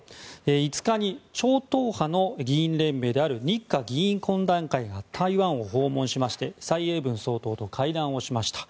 ５日に超党派の議員連盟である日華議員懇談会が台湾を訪問しまして蔡英文総統と会談をしました。